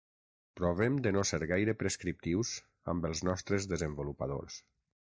Provem de no ser gaire prescriptius amb els nostres desenvolupadors.